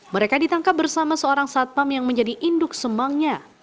mereka ditangkap bersama seorang satpam yang menjadi induk semangnya